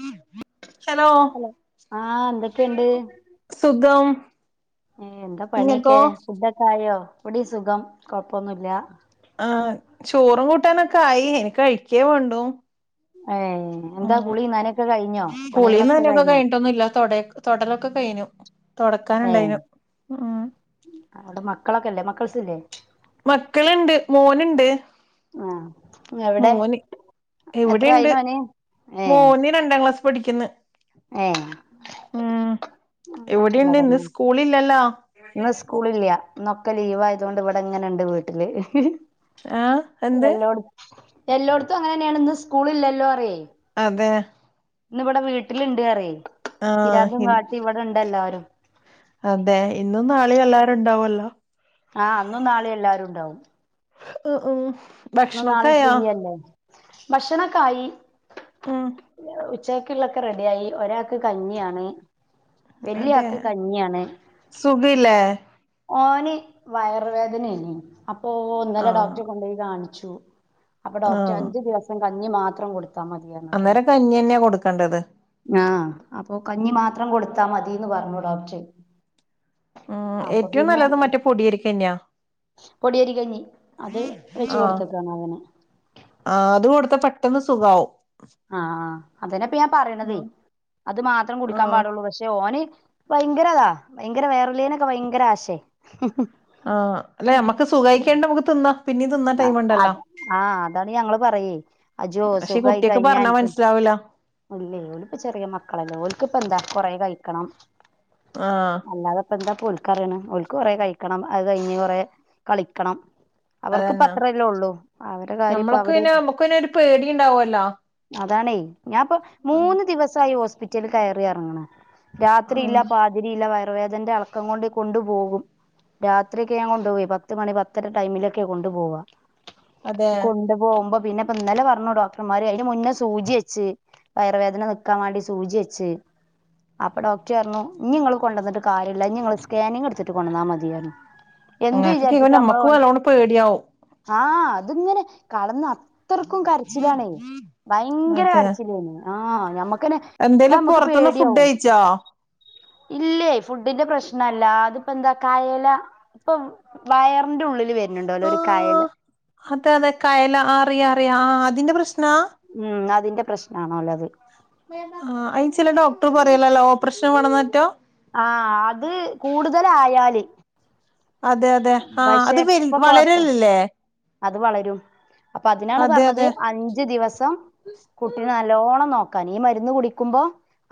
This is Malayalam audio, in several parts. ഹ ഹ ഹലോ ആഹ് എന്തൊക്കെണ്ട് സുഖം ഏ എന്താ പണിയൊക്കെ ഇങ്ങക്കോ ഫുഡൊക്കെ ആയോ ഇവിടി സുഖം കൊഴപ്പൊന്നുല്ല ആഹ് ചോറും കൂട്ടാനൊക്കെ ആയി ഇനി കഴിക്കേ വേണ്ടു ഏഹ് എന്താ ഉം കുളി നനയൊക്കെ കഴിഞ്ഞോ കൂളിം പണികളൊക്കെ നനയൊക്കെ കഴിഞ്ഞോ കഴിഞ്ഞിട്ടൊന്നുംല്ല തൊടയൊ തൊടലൊക്കെ കഴിഞ്ഞു ഏഹ് തൊടക്കാനുണ്ടായിനു ഉം ക്കളൊക്കെല്ലേ മക്കൾസ് ഇല്ലേ മക്കള്ണ്ട് മോനുണ്ട് ആഹ് എവിടെ മോന് എത്ര എവിടെണ്ട് ആയിണ് ഓന് ഏഹ് മോന് രണ്ടാം ക്ലാസ് പഠിക്ക്ന്ന് ഏഹ് ഊം അല്ല ഇവിട്യിണ്ട് ഇന്ന് പറഞ്ഞു സ്കൂള് ഇല്ലല്ലോ ഇന്ന് സ്കൂളില്ല ഇന്നൊക്കെ ലീവ് ആയതോണ്ട് ഇവിടെ ഇങ്ങനെണ്ട് വീട്ടില് ആഹ് എന്ത് എല്ലോട്ത്തും അങ്ങനെന്നേണ് ഇന്ന് സ്കൂള് ഇല്ലല്ലോ പറിയേ അതെ ഇന്നിവിടെ വീട്ടിലുണ്ട് അറയ് ആഹ് ഇന് അതെ ഇന്നും നാള എല്ലാരും ഇണ്ടാവല്ലോ ആ ഇന്നും നാളെയും എല്ലാരും ഉണ്ടാവും ആഹ് ആഹ് ഇന്നും നാളെയും ഫ്രീയല്ലേ ഭക്ഷണക്കായി ഉം [unintelligible] ഉച്ചക്കുള്ളൊക്കെ റെഡിയായി ഒരാൾക്ക് കഞ്ഞിയാണ് വല്യ അതെ ആക്ക് കഞ്ഞിയാണ് സുഖയില്ലേ ഓന് വയറ് വേദനയേനി അപ്പോ ഇന്നലെ ആഹ് ഡോക്ടറെ കൊണ്ടു പോയി കാണിച്ച് [unintelligible] അപ്പ ഡോക്‌ടറ് ആഹ് അഞ്ചു ദിവസം കഞ്ഞി മാത്രം കൊടുക്കു അന്നേരം കഞ്ഞിന്നെയാ കൊടുക്കണ്ടത് ആഹ് അപ്പൊ കഞ്ഞി മാത്രം കൊടുത്താ മതീന്ന് പറഞ്ഞു ഡോക്ടറെ ഉം ഏറ്റവും നല്ലത് മറ്റേ പൊടിയരിക്കഞ്ഞിയാ പൊടിയേരി കഞ്ഞി അത് വെച്ച് ആഹ് കൊടുത്തക്കാണ് അങ്ങനെ ആഹ് അത് കൊടുത്ത പെട്ടെന്ന് സുഖാവും ആഹ് ആഹ് അതാണിപ്പോ ഞാൻ പറയണതേ ആഹ് അത് മാത്രം കുടിക്കാൻ ആഹ് പാടുള്ളൂ പക്ഷെ ഓന് ഭയങ്കര അതാ ഭയങ്കര വേറലേനൊക്കെ ഭയങ്കര ആശെ ആഹ് അല്ല നമ്മക്ക് സുഖായി കയിഞ്ഞിട്ട് നമ്മക്ക് തിന്നാം ആ അത് ആഹ് അതാണ് ഞങ്ങള് പറയേ അജോ പക്ഷെ ഈ സുഖമായി കുട്ടിയക്ക് കഴിഞ്ഞാ പറഞ്ഞാ അനക്ക് മനസ്സിലാവൂല ഇല്ലേ ഓല് ഇപ്പോ ചെറിയ മക്കളല്ലേ ഓല്ക്ക് ഇപ്പ എന്താ കൊറെ കഴിക്കണം ആഹ് അല്ലാതെപ്പ എന്താ ഓൽക്കറിയണെ ഓൽക്ക് കൊറെ കഴിക്കണം അത് കഴിഞ്ഞ് കൊറെ കളിക്കണം അവർക്കിപ്പ അതെന്നാ അത്രല്ലേ ഉള്ളൂ അവരെ കാര്യപ്പ നമ്മൾക്ക് അവര് പിന്നെ നമ്മക്ക് പിന്നെ ഒരു പേടി ഉണ്ടാവല്ലോ അതാണെ ഞാൻ ഇപ്പ മൂന്ന് ദിവസായി ഹോസ്പിറ്റലിൽ കയറി എറങ്ങണ് രാത്രിയില്ല ആഹ് പാതിരിയില്ല വയ വയറുവേദനേന്റെ എളക്കം കൊണ്ട് കൊണ്ടു പോകും രാത്രിയൊക്കെ ഞാൻ കൊണ്ടുപോകുവേ പത്ത്മണി പത്തര ടൈമിലൊക്കെ ആണ് കൊണ്ടു പോവാ അതെ കൊണ്ട് പോകുമ്പോ പിന്നെ ഇപ്പ ഇന്നലെ പറഞ്ഞു ഡോക്ടർമാര് അതിന് മുന്നേ സൂചി വെച്ച് വയറുവേദന നിക്കാൻ വേണ്ടി സൂചി വെച്ച് അപ്പൊ ഡോക്ടർ പറഞ്ഞു ഇനി ഇങ്ങള് കൊണ്ടുവന്നിട്ട് കാര്യല്ല ഇനി ഇങ്ങള് സ്കാനിങ് എടുത്തിട്ട് കൊണ്ടുവന്നാൽ മതി പറഞ്ഞു അങ്ങനൊക്കെ ക്പ നമ്മക്ക് വല്ലോണം പേടിയാവും ആ അതിങ്ങനെ കളന്ന അത്രർക്കും കരച്ചിലാണ ഭയങ്കര അതെ കര ആ നമ്മക്ക് എന്തേലും പോറത്തുന്ന് ഫുഡ് പേടിയാവും കഴിച്ചോ ഇല്ലേ ഫുഡിന്റെ പ്രശ്ന അല്ല അതിപ്പോ എന്താ കയല ഇപ്പൊ വയറിന്റെ ഉള്ളിൽ വര ആ അതെ അതെ കയല അറിയാം പറയാ അതിന്റെ പ്രശ്ന ഉം അതിന്റെ പ്രശ്ന ആണോല്ലോത് ആ അയി ചില ഡോക്ടർ പറയലല്ലോ ഓപ്പറേഷൻ വന്നറ്റോ ആ അത് കൂടുതല ആയാല് അതെ അതെ ആ അത് വ കൊഴപ്പ വളരല്ലല്ലേ അത് വളരും അപ്പൊ അതിനാണ് പറഞ്ഞത് അതെ അഞ്ചു ദിവസം കുട്ടിനെ നല്ലോണം നോക്ക കനിഈ മരുന്ന് കുടിക്കുമ്പോ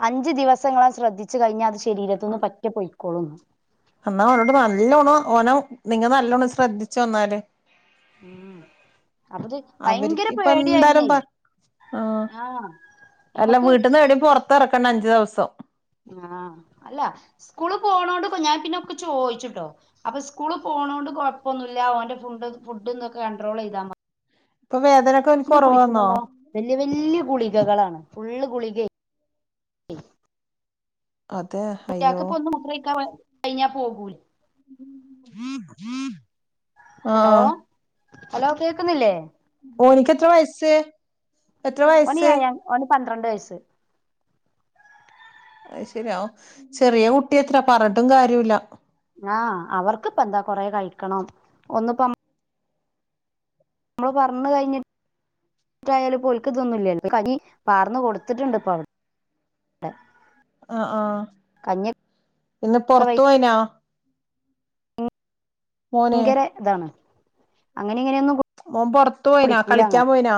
അഞ്ചു ദിവസങ്ങളാം ശ്രദ്ധിച്ചു കഴിഞ്ഞ അ ശരീരത്തൊന്ന് പറ്റ പോയി കൊളു എന്നാ ഓനോട്ട് നല്ലോണ് ഓന നിങ്ങ നല്ലോണ് ശ്രദ്ധിച്ചു ന്നാല് ഉം അപ്പത് ഭയങ്കര അവർക്ക്ിപ്പ എന്തായാലും പേടിയായിരുന്നേ. പ ആ ആഹ് എല്ലാം ഞമ്മക്ക് വീട്ടന്ന് എവിടെ പുറത്ത്റക്കണ്ട അഞ്ചു ദിവസം ത്തോ ആഅല്ല സ്കൂള് പോണോണ്ട് ഞാൻ പിന്നൊക്കെ ചോയിച്ചിട്ടോ അപ്പൊ സ്കൂള പോണോണ്ട് കൊഴപ്പൊന്നുമില്ല അവന്റെ ഫു് ഫുഡ്ന്നൊക്കെ കണ്ട്രോൾ ചെയ്താതി ഇപ്പൊ വേദനൊക്കെ എനിക്ക്ുറവ് വന്നോ വല്യ വല്യ ഗുളികകളാണ് ഫുള്ള് ഗുളിക അതെ അയ്യോ കുട്ടിക [unintelligible] കഴഞ്ഞ പോകൂല ഉം ഉം ഹലോ ഹലോ കേക്കുന്നില്ലേ ഓനിക്ക് എത്ര വയസ ഒന എയാ ഒന പ പന്ത്രണ്ട് വയസ്സ് അ ശരിയാ ചെറിയ കുട്ടിയ എത്ര പറഞ്ഞിട്ടും കാര്യല്ല ആ അവർക്ക് ഇപ്പ എന്താ കൊറ കഴിക്കണം ഒന്നിപ്പം നമ്മള് പറഞ്ഞു കഴിഞ്ഞിട്ട്ായാലും പോലക്കതൊന്നുംില്ലല്ലോ കനി പാർന്നു കൊടുത്തിട്ടുണ്ട് ഇപ്പ അവിടെ ആ ആ കഞ്ഞിയൊക്കെ ഇന്ന് പൊറത്ത് പോയിനാ മോന് ഭയങ്കര ഇതാണ് അങ്ങനെ ഇങ്ങനെയൊന്നും മോൻ പുറത്തു പോയിനാ കളിക്കാൻ പോയിനാ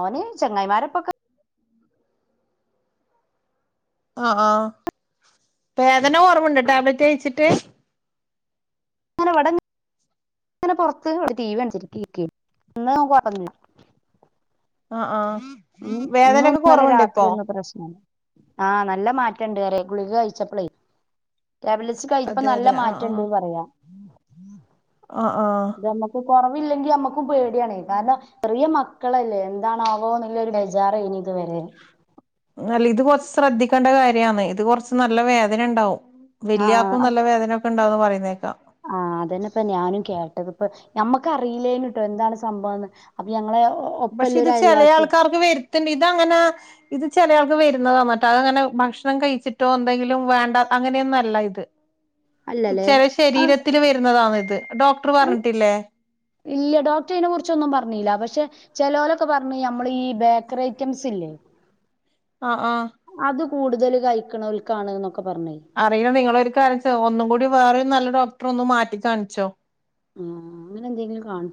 ഓനെ ചെങ്ങായിമാരപ്പൊക്കെ ആഹ ആഹ വേദന കുറവുണ്ട് ടാബ്ലറ്റ് കഴിച്ചിട്ട് അങ്ങനെ പുറത്ത് ഇവിടെ ടി വി അണിച്ചിരിക്കക്ക എന്ന നമക്ക് പറഞ്ഞില്ല ആഹ ആഹ ഇന്ന ഒന്നല രാത്രിന്ന് പ്രശ്ന ആഹ് നല്ല മാറ്റം രണ്ടു കവർ ഗുളിക കഴിച്ചപ്പളേ ടാബ്ലറ്റ്സ് കഴഞ്ഞപ്പ അതെ നല്ല അതെ ആഹ് മാറ്റംണ്ട് ആഹ് പറയാ ആഹ് ആഹ് നമ്മുക്ക് കുറവ ഇല്ലെങ്കിൽ നമക്ക് പേടിയാണ് കാരണം ഇത്രയം മ മക്കളല്ലേ എന്താണാവോ പോന്നല്ലോ ബേജാറ് ഇനി ഇത് വരെ അല്ല ഇത് കൊറച്ച് ശ്രദ്ധിക്കേണ്ട കാര്യാണ് ഇത് കൊറച്ച് നല്ല വേദന ഉണ്ടാവും വല്യ ആക്കും നല്ല വേദന ഒക്കെണ്ടന്ന് പറയുന്നേക്കാ ആഹ അതന്നെ ഇപ്പ ഞാനും കേട്ടത് ഇപ്പ ഞമ്മക്ക് അറിയില്ലേന കട്ടോ എന്താണ് സംഭവംന്ന് അപ്പൊ ഞങ്ങളെ ഒ- പക്ഷെ ഒപ്പല്ല ഇത് ഒരു ചില അയൽവാസി ആൾക്കാർക്ക് വരുത്തണ്ട് ഇതങ്ങനാ ഇത് ചിലയാൾക്ക് വരുന്നത മറ്റാതങ്ങനെ ഭക്ഷണം കഴിച്ചിട്ടോ എന്തെങ്കിലും വേണ്ട അങ്ങനെയൊന്നുംല്ല ഇത് ഇത് അല്ലല്ലേ ചെല ആഹ് ശരീരത്തിൽ വരുന്നതാണ് ഇത് ഡോക്ടർ പറഞ്ഞിട്ടില്ലേ ഇല്ല ഡോക്ടർ ഇതിനെ കുറിച്ചൊന്നും പറഞ്ഞില്ല പക്ഷെ ചെലോലൊക്കെ പറഞ്ഞ നമ്മൾ ഈ ബേക്കറി ഐറ്റംസ് ഇല്ലേ ആ ആ അത് കൂടുതൽ കഴിക്കണോൽക്കാണ് ഒക്കെ അറിയാം നിങ്ങൾ ഒരു കാര്യ ഒന്നും കൂടി വേറെരു നല്ല ഡോക്ടറെ ഒന്ന് മാറ്റി കാണിച്ചോ ആ അങ്ങനെ എന്തെങ്കിലും കാണി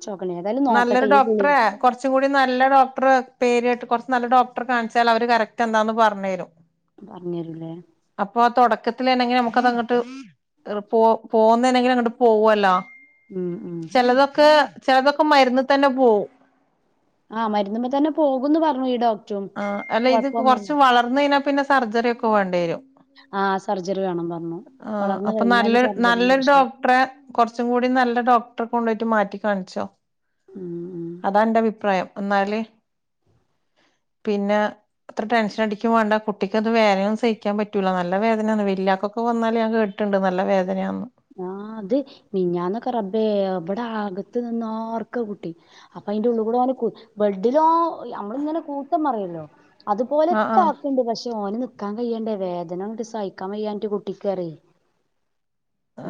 നല്ലൊരു ഡോക്ടറെ കൊറച്ചും കൂടി നല്ല ഡോക്ടർ പേര് കുറച്ച് നല്ല ഡോക്ടർ കാണിച്ചാൽ അവര് കറക്റ്റ് എന്താന്ന് പറഞ്ഞ് തരും പറഞ്ഞരൂലേ അപ്പൊ [unintelligible] നമുക്കത് അങ്ങട്ട് പോകുന്നെങ്കിലും അങ്ങോട്ട് പോകല്ലോ ഉം ഉം ചിലതൊക്കെ ചെലതൊക്കെ മരുന്ന് തന്നെ പോവും ആ മരുന്ന്മ്മേ തന്നെ പോകുംന്ന് പറഞ്ഞു ഈ ഡോക്ടർ ആ അല്ല ഇത് കൊറച്ച വളർന്ന കഴിഞ്ഞാൽ പിന്നെ സർജറി ഒക്കെ വേണ്ടി വരും ആഹ് സർജറി വേണം പറഞ്ഞു ആ വളർന്ന് അപ്പൊ നല്ല കഴിഞ്ഞാല് സർജറിന്റെ നല്ലൊരു ആവശ്യം ഡോക്ടറെ കുറച്ചും കൂടി നല്ല ഡോക്ടറെ കൊണ്ട് മാറ്റി കാണിച്ചോ ഉം ഉം അതാ എന്റെ അഭിപ്രായം എന്നാല് പിന്നെ അത്ര ടെൻഷൻ അടിക്കും വേണ്ട കുട്ടിക്കത് വേദനയും സഹിക്കാൻ പറ്റൂല്ല നല്ല വേദനയന്ന് വലിയക്കൊക്കെ വന്നാല് ഞാൻ കേട്ടിട്ടുണ്ട് നല്ല വേദനയാന്ന്‌ ആ അത് മിഞ്ഞാന്നൊക്കെ റബ്ബേ ഇ വിടെ ആകത്ത് നിന്ന്‌ ആർക്ക കുട്ടി അപ്പൊ അയിന്റെ ഉള്ള് കൂടെ ഓൻ കു ബെഡ്‌ഡിൽ ഓൻ നമ്മളിങ്ങനെ കൂത്തം പറയല്ലോ ആഹ് അതുപോലെൊക്കെ ആഹ് ആക്കണ്ട് പക്ഷെ ഓന സഹിക്കാൻ കയ്യണ്ടേ വേദന ഇടി സഹക്കാൻ കയ്യാൻ കുട്ടിക്കറി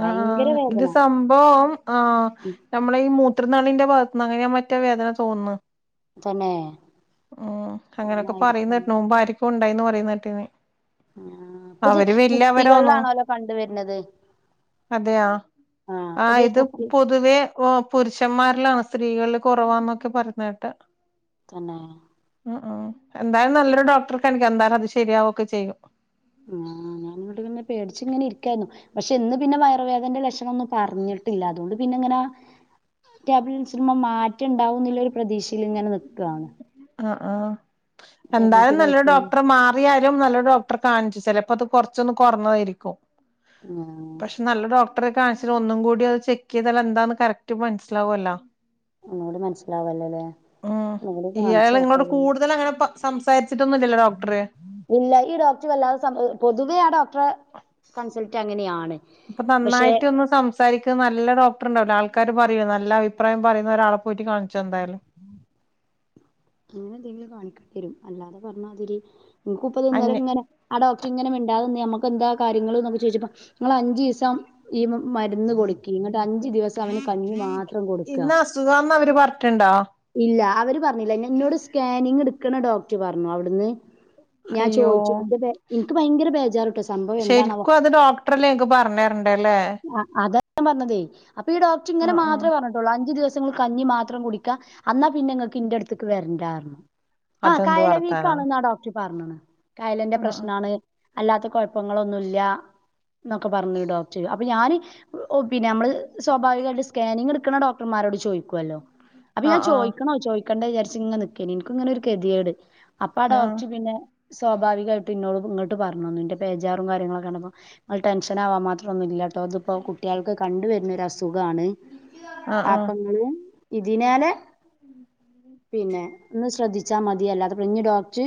ആ ഇത് സംഭവം ആ ഉം നമ്മള ഈ ഇത്രനാളിന്റെ ഭാഗത്തുനി അങ്ങനെ ാൻ മറ്റേ വേദന തോന്നുന്നു തന്നെ ഉ അങ്ങനെ അങ്ങനെയൊക്കെ ആയിരിക്കും പറയുന്നട്ടണ മുമ്പ ആരിക്കും ഇപ്പ ഉണ്ടായിന്ന് പറയുന്നട്ടിെ ആ അപ്പൊ ഇത് കുട്ടികളിലാണോല്ലോ കണ്ട വരുന്നത് അതെയ ആ ഇത് പൊതുവെ പുരുഷന്മാരിലാണ് സ്ത്രീകള്ില് കുറവാന്നൊക്കെ പറഞ്ഞ കേട്ട് തന്നെ എന്തായാലും നല്ലൊരു ഡോക്ടർക്ക് എനിക്കും എന്തായാലും അത് ശരിയാവൊക്കെ ചെയ്യും ആ ഞാനങ്ങോട്ട് ഇങ്ങനെ പേടിച്ചച്ച് ഇങ്ങനെ ഇരിക്കായിരുന്നു പക്ഷെ എന്നന്ന് പിന്നെ വയറോവേദന്റെ ലക്ഷണംൊന്നും പറഞ്ഞിട്ടില്ല അതുകൊണ്ട് പിന്നെ ഇങ്ങനെ ആ ടാബ്ലറ്റ ച മാറ്റി ഉണ്ടാവ എന്ന ഒരു പ്രതീക്ഷയിൽ ഇങ്ങനെ നിൽക്കുവാണ് ആ ആ എന്തായാലും നല്ലൊരു കഴിക്കുമ്പോ ഡോക്ടർ മാറിയാലും നല്ലൊരു ഡോക്ടർ കാണിച്ചു ചില- അപ്പ അത് കൊറച്ചൊന്ന് കുറഞ്ഞായിരിക്കും ആഹ് പക്ഷെ നല്ല ഡോക്ട ഡോക്ടറെ കാണിച്ച ഒന്നും കൂടി അത് ചെക്ക് ചെയ്താ എന്താന്ന് കറക്റ്റ് മനസ്സിലാവുമല്ലോ ഒന്നോട് മനസ്സിലാാവല്ലോല്ലേ ഇയാൾ നിങ്ങളോട് കൂടുതൽ അങ്ങനെ സംസാരി- ഇല്ല ഈ ഡോക്ടർ വല്ലാതെ പൊതുവേ ആ ഡോക്ടർ കൺസൾട്ട അങ്ങനെയാണ് അപ്പൊ പക്ഷെ നന്നായിട്ട ഒന്നും സംസാരിക്കന്നല്ല നല്ല ഡോക്ടർ ഉണ്ടാവില്ലോ ആൾക്കാരും പറയൂല്ല നല്ല അഭിപ്രം പറയുന്ന ഒരാള പോയിട്ട് കാണിച്ച എന്തായാലും അങ്ങനെ എന്തെങ്കിലും കാണിക്കേണ്ടി വരും അല്ലാതെ പറഞ്ഞാതിരി ഇങ്ങക്ക് ഇപ്പതിൊന്നര അന്യ ഇങ്ങനെ അട റ്റ ഇങ്ങനെണ്ടാ നക്ക് എന്താ കാര്യ ചോദിച്ചപ്പ നിങ്ങൾ അഞ്ച് ദിവസം ഈ മരുന്ന് കൊടുക്കി അഞ്ചു ദിവസം അവന് കഞ്ഞി മാത്രം കൊടുക്കുക ഇന്ന അസുഖാന്ന് അവര് പറഞ്ഞിട്ടുണ്ടോ ഇല്ല അവര് പറഞ്ഞില്ല എന്നെ എന്നോട് സ്കാനിങ് എടുക്കണ ഡോക്ടർ പറഞ്ഞു അവിടുന്ന് ഞാൻ അയ്യോ ചോദിച്ചു എന്റെ ബേ- എനിക്ക് ഭയങ്കര ബേജാറിട്ടോ സംഭവം എന്താണാവോ ശരിക്കും അത് ഡോക്ടറെല്ലേ ക്ക് പറഞ്ഞരണ്ടല്ലേ ാൻ പറഞ്ഞതേ അപ്പൊ ഡോക്ടർ ഇങ്ങെ മാത്രമ പറഞ്ഞിട്ടുള്ളൂ അഞ്ച് ദിവം കഞ്ഞി മാത്രം കുടിക്കാം അന്നാ പിന്നെങ്ങക്ക്ടു- ത്തക്ക് വരേണ്ടാരുന്നു- ആ അതെന്ത് കായല വർത്താനാ വീക്കാണെന്നാ ഡോക്ടർ പറഞ്ഞണ് കായലന്റെ ആഹ് പ്രശ്നാണ് അല്ലാത്ത കുഴപ്പങ്ങളൊന്നുല്ല എന്നൊക്കെ പറഞ്ഞു ഡോക്ടർ അപ്പൊ ഞാന് പിന്നെ നമ്മള് സ്വാഭാവികമായിട്ട് സ്കാനിങ് എടുക്ക ണ ഡോടർമാരോട് ചോദിക്കുവല്ലോ അപ്പഞ ആഹ് ആഹ് ചോദിക്കണോ ചോയ് കണ്ട വിചരിച്ച് ഇങ്ങന നിക്കാണ് എനിക്ക ഇങ്ങനെ ഒരു കെതിയേട് അപ്പാ ആഹ് ഡോക്റ്റ് പിന്നെ- സ്വാഭാവികമായിട്ട് ഇനോട് ഇങ്ങോട്ട് പറഞ്ഞ തന്നു ഇൻ്റെ ബോറും കാര്യങ്ങളൊക്കെ ക്ണ്ടപ്പോ നിങ്ങൾ ടെൻഷൻാവാൻ മാത്രൊന്ന ഇല്ല- ഇ ഇപ്പോ കുട്ടികൾക്ക്ക്ക കണ്ട വരുന്നൊര അസുഖണ് ആഹ് ആഹ് ആപ്പങ്ങളൂ- ഇതിനാല് [inaudible] പിന്നെ ഒന്ന് ശ്രദ്ധിച്ചാൽ മതിയല്ലാത്ത പ്രശ്നം ഡോക്റ്റ്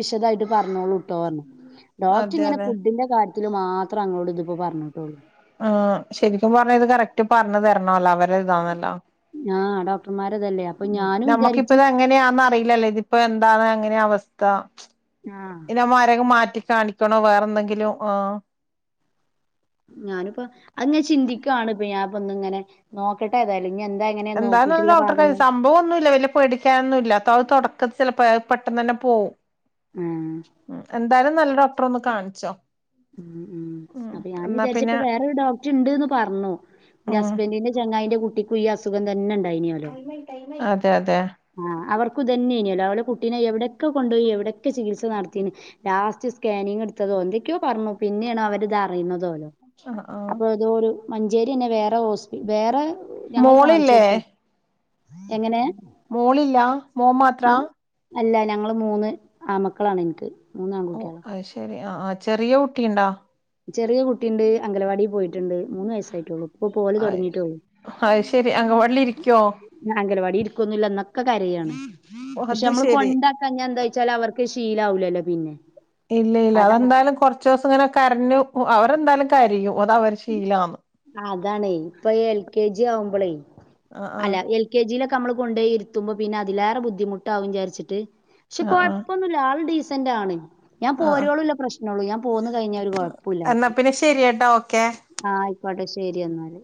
വിശദായിട്ട് പറഞ്ഞോളൂ ഇട്ടോ പറ അതെ അതെ ത്തിത്തില് മാത്രംേ അങ്ങളോട് ഇതിപ്പോ പറഞ്ഞിട്ടുള്ളൂ ആ ശരിക്കും പറഞ്ഞ ഇത് കറക്റ്റ് പറഞ്ഞഞ് തരണല്ലോ അവരെ ഇതാന്നല്ലോ ആഹ അ ഡോക്ർ ഉ നഞമ്മക്കിപ്പ ഇത എങ്ങനെയാന്ന് അറിയില്ലല്ലേ ഇതിപ്പോൊ എന്താാണ് അങ്ങനെ അവസ്ഥ ആ ത്ത ഇന്നമ്മമാരൊക്കെ മാറ്റി കാണിക്കണോ വേറെ എന്തെങ്കിലും ആ ഞാനുപ്പ അത്ങ്ങ ചിന്തിക്കുവാണ് ഇപ്പ ഞാൻ ഒന്ന്ങ്ങനെ നോക്കട്ട ഏതാലും ഇ [unintelligible] ഡോക്ടർ സംഭവ ഒന്നു ഇല്ല്യ വല്ല്യ പേടിക്കാനൊന്ന ഇല്ല അ അത് തൊട അത്‌ ചെലപ്പോ അയാൾ പെട്ടെന്ന് തന്നെ പോവും ഉം എന്തായാലും നല്ലോ ടർറൊന്ന് കാണിച്ചോ ഉം ഉം അപ്പൊ ഞാൻ എന്നാ പിന്നെ വിചാരിച്ചപ്പോ വേറൊരു ഡോക്ടർ ഇണ്ട്ന്ന് പറഞ്ഞു ന്റെ ഉം ഹസ്ബന്റിന്റെ ചങ്ങായിന്റെ കുട്ട് ട്ടിക്കും ഈ അസുഖം തന്നെ ഇ ണ്ടായ്നീഓലോ അതെ അതെ ആ അവർക്കു ഇത് തന്നെയ്നോലോ കുട്ടിനെ എവിടൊക്ക കൊണ്ടുപോയി എവിടൊക്കെ ചികിത്സ നടത്തി ലാസ്റ്റ് സ്കാനിങ്ങ് എടുത്തതൊ എന്തെ ക്കെയോ പറഞ്ഞു പിന്നെയാണ് അവരിതറിയുന്നതോലോ ആ ആ മഞ്ചേരി എന്നെ വേറെ ഹോസ്പി വേറെ ഞങ്ങൾ മോളില്ലേ കാണിച്ചോട്ത് എങ്ങനേ മോളില്ല മോ മാത്ര അല്ല ഞങ്ങള് മൂന്ന് ആമക്കളാണ് എനിക്ക് ഓ മൂന്നാൺകൂട്ട്യാളാ അത് ശെരി ആ ആ ചെറിയ കുട്ടിണ്ടാ ചെറിയ കുട്ടിയുണ്ട് അംഗലവാടിൽ പോയിട്ട് ണ്ട് മൂന്ന് വയസ്സായിട്ടള്ളൂ ഇപ്പൊ പോല് തൊടങ്ങീറ്റൊള്ളൂ അത് ശെരി അങ്കവാടിൽ ഇരിക്കോ അംഗൽവാടി ഇര്ക്കൊുന്നില്ല എന്ന ക്കെ കരയാണ് പക്ഷേ അത് നമ്മള് ശെരി കൊണ്ടാക്കാൻ ഞാൽ എന്താ വച്ചാൽ അവർക്ക് ശീലാവൂലല്ലോ പിന്നെ ഇല്ല ഇല്ല കാരണം അമ്മക്ക് അതെന്തായാലും കൊർച്ചൂ സം ഇങ്ങനെ കരഞ്ഞു അവരെന്തായാലും കരിയും അത അവരെ ശീലാണ് അതാണേയ് ഇപ്പൊ എൽ കെ ജി ആവുമ്പളേ ആ ആ അല്ല എൽ കെ ജിലൊക്കെ ക്ക നമ്മള് കൊണ്ടേയിരുത്തുമ്പോ പിന്നെ അതിലേറെ ബുദ്ധിമുട്ടാവകും വിചരിച്ചിട്ട് ക്ഷേ ആ ആ കൊഴ്പ്പോന്നൂല്ല്യ ആള് ഡീസ സന്റൊണ് ഞാൻ ആ ആ പോരോളള്ള പ്രശ്നഒള്ളൂ ഞാൻ പോന്ന് കഴിഞ്ഞ ഒരു കുഴപ്പുല്ല എന്നാ ആൾക്ക് പിന്നെ ശെരിയട്ടാ ഓക്കെ ആ ആയി വടശ്ശേരി എന്നാല്